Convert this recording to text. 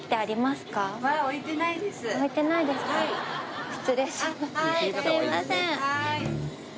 すいません